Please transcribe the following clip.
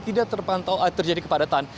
tidak terjadi kepadatan